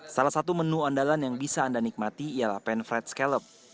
salah satu menu andalan yang bisa anda nikmati ialah pan fritz callop